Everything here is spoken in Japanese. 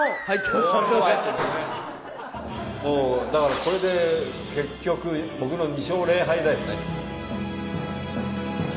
だからこれで結局僕の２勝０敗だよね。